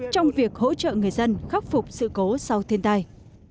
trong việc hỗ trợ người dân khắc phục sự cố sau thiên tai